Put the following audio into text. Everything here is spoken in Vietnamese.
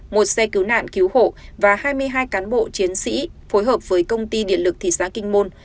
một xe cứu nạn cứu hộ và hai mươi hai cán bộ chiến sĩ phối hợp với công ty điện lực thị xã kinh môn